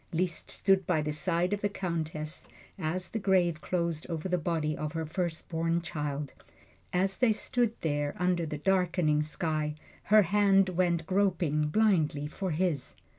Liszt stood by the side of the Countess as the grave closed over the body of her firstborn child. And as they stood there, under the darkening sky, her hand went groping blindly for his.